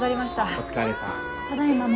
お疲れさん。